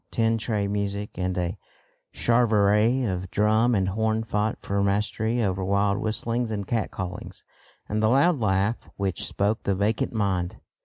Tin tray music and a charivari of drum and horn fought for mastery over wild whistlings and cat callings and the "loud laugh which spoke the vacant mind."